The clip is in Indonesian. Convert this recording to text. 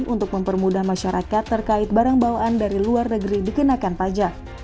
untuk mempermudah masyarakat terkait barang bawaan dari luar negeri dikenakan pajak